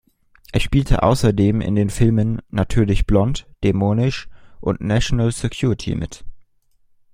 Er spielte außerdem in den Filmen "Natürlich blond", "Dämonisch" und "National Security" mit.